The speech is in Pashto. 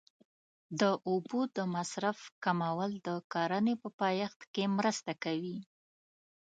د اوبو د مصرف کمول د کرنې په پایښت کې مرسته کوي.